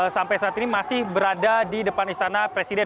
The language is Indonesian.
sampai saat ini masih berada di depan istana presiden